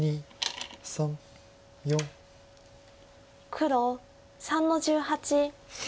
黒３の十八。